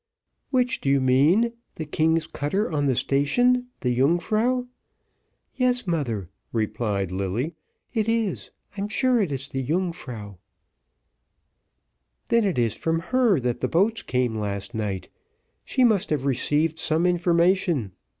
"Which do you mean, the king's cutter on the station, the Yungfrau?" "Yes, mother," replied Lilly, "it is. I'm sure it is the Yungfrau." "Then it is from her that the boats came last night. She must have received some information.